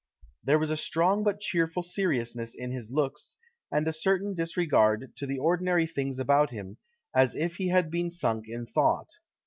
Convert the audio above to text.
There was a strong but cheerful seriousness in his looks, and a certain disregard to the ordinary things about him, as if he had been sunk in thought.